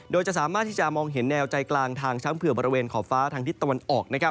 โดยจะสามารถที่จะมองเห็นแนวใจกลางทางช้างเผื่อบริเวณขอบฟ้าทางทิศตะวันออก